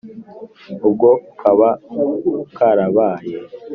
ubwo kaba karabaye